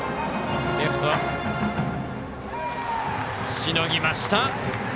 しのぎました。